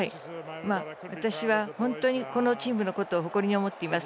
私は本当にこのチームのことを誇りに思っています。